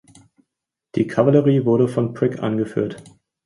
Die Kavallerie wurde von Brig angeführt.